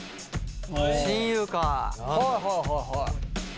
親友か。